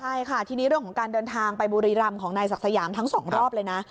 ใช่ค่ะทีนี้เรื่องของการเดินทางไปบุรีรำของนายศักดิ์สยามทั้งสองรอบเลยนะ